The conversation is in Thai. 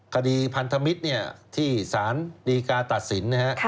คดีพันธมิตรเนี่ยที่สารดีการตัดสินนะครับ